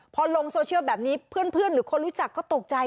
พอลงโซเชียลแบบนี้เพื่อนหรือคนรู้จักก็ตกใจ